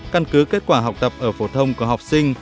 căn cứ kết quả học tập ở phổ thông của học sinh